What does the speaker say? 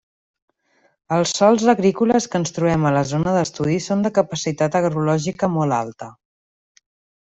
Els sòls agrícoles que ens trobem a la zona d'estudi són de capacitat agrològica molt alta.